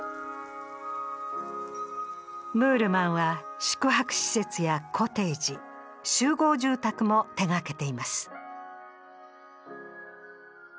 ムールマンは宿泊施設やコテージ集合住宅も手がけています